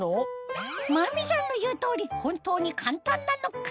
真美さんの言う通り本当に簡単なのか？